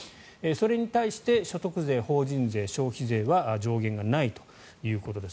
それに対して所得税、法人税、消費税は上限がないということです。